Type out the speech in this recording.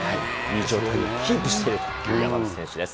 好調をキープしているという、山口選手です。